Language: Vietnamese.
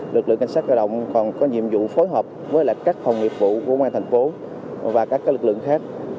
lực lượng cảnh sát cơ động còn có nhiệm vụ phối hợp với các hồng nghiệp vụ của ngoài tp hcm và các lực lượng khác